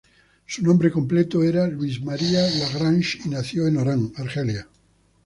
Su nombre completo era Louise Marie Lagrange, y nació en Orán, Argelia.